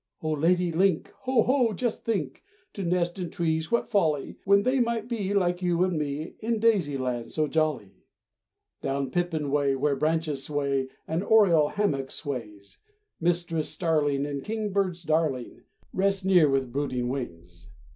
Oh, Lady link! Ho, ho! just think! To nest in trees what folly, When they might be, Like you and me, In Daisy land so jolly! Down Pipin way Where branches sway, An oriole hammock swings. Mistress starling And kingbird's darling. Rest near with brooding wings.